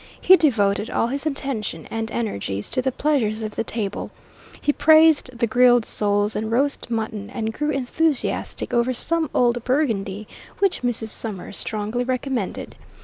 He devoted all his attention and energies to the pleasures of the table; he praised the grilled soles and roast mutton and grew enthusiastic over some old Burgundy which Mrs. Summers strongly recommended.